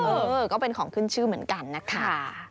เออก็เป็นของขึ้นชื่อเหมือนกันนะคะ